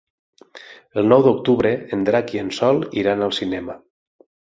El nou d'octubre en Drac i en Sol iran al cinema.